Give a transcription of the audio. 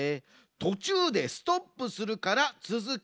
とちゅうでストップするからつづきを歌ってな。